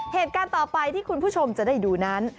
เหตุการณ์ต่อไปที่คุณผู้ชมจะได้ดูนั้น